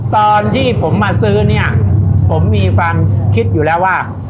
ตอนที่ผมมาซื้อเนี่ยผมมีความคิดอยู่แล้วว่า